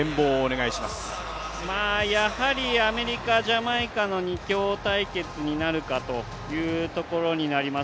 アメリカ、ジャマイカの２強対決になるかというところになります。